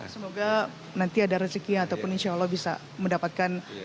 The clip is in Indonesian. semoga nanti ada rezeki ataupun insya allah bisa mendapatkan